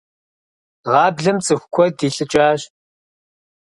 Гъаблэм цӏыху куэд илӏыкӏащ.